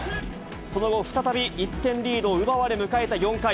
その後、再び１点リードを奪われ迎えた４回。